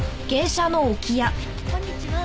こんにちは。